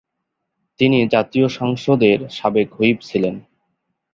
তিনি জাতীয় সংসদের সাবেক হুইপ ছিলেন।